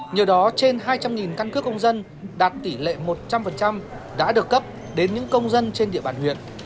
nhờ đó trên hai trăm linh căn cước công dân đạt tỷ lệ một trăm linh đã được cấp đến những công dân trên địa bàn huyện